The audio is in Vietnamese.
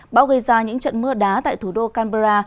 bão gây ra những trận mưa đá tại thủ đô canberra